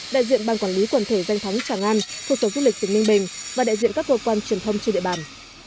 đại diện ban quản lý quần thể danh thắng tràng an phục tổ quốc lịch tỉnh minh bình và đại diện các cơ quan truyền thông trên địa bàn